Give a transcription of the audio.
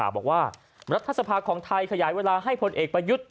บอกว่ารัฐสภาของไทยขยายเวลาให้พลเอกประยุทธ์